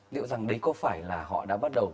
liệu rằng đấy có phải là họ đã bắt đầu